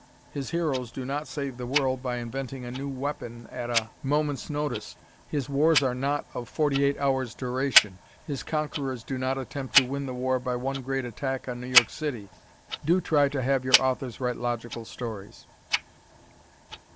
His heroes do not save the world by inventing a new weapon at a moment's notice. His wars are not of forty eight hours' duration. His conquerors do not attempt to win the war by one great attack on New York City. Do try to have your authors write logical stories.